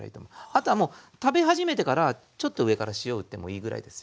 あとはもう食べ始めてからちょっと上から塩を打ってもいいぐらいですよ。